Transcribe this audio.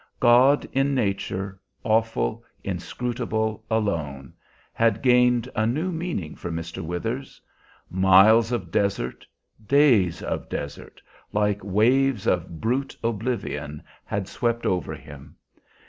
God in nature, awful, inscrutable, alone, had gained a new meaning for Mr. Withers. Miles of desert, days of desert, like waves of brute oblivion had swept over him.